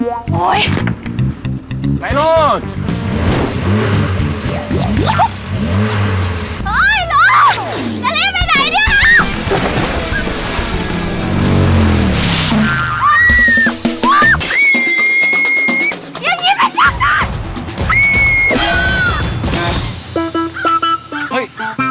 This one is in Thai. อย่ายิ้มไอ้จับหน่อย